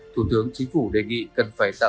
thủ tướng chính phủ đề nghị cần phải tạo